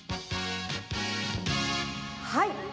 はい！